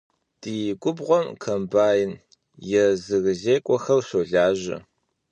Ди губгъуэм комбайн езырызекӏуэхэр щолажьэ.